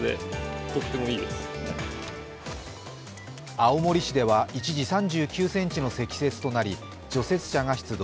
青森市では一時、３９ｃｍの積雪となり、除雪車が出動。